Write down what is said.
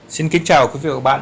xin kính chào quý vị và các bạn